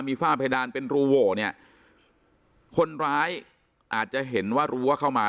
มีฝ้าเพดานเป็นรูโหวเนี่ยคนร้ายอาจจะเห็นว่ารู้ว่าเข้ามา